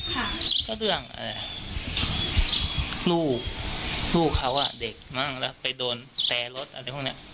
ค่ะก็เรื่องลูกลูกเขาอ่ะเด็กมั่งแล้วไปโดนแต่รถอะไรพวกเนี้ย